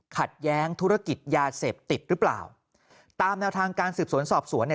ขัดแย้งธุรกิจยาเสพติดหรือเปล่าตามแนวทางการสืบสวนสอบสวนเนี่ย